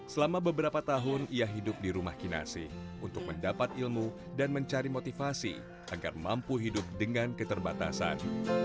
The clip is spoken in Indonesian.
selama beberapa tahun ia hidup di rumah kinasi untuk mendapat ilmu dan mencari motivasi agar mampu hidup dengan keterbatasan